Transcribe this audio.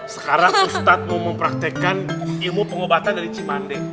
sekarang ustadz mau mempraktekkan ilmu pengobatan dari cimande